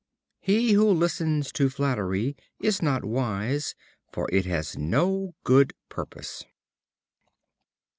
He who listens to flattery is not wise, for it has no good purpose.